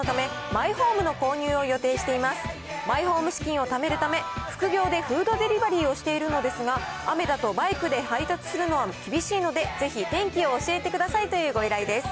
マイホーム資金をためるため、副業でフードデリバリーをしているのですが、雨だとバイクで配達するのは厳しいので、ぜひ天気を教えてくださいという、ご依頼です。